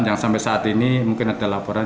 yang sampai saat ini mungkin ada laporan